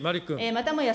またもや